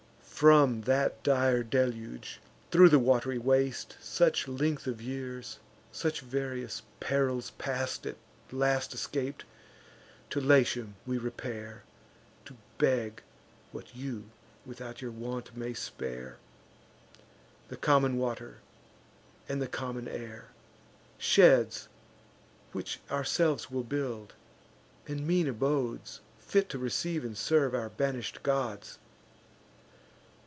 From that dire deluge, thro' the wat'ry waste, Such length of years, such various perils past, At last escap'd, to Latium we repair, To beg what you without your want may spare: The common water, and the common air; Sheds which ourselves will build, and mean abodes, Fit to receive and serve our banish'd gods.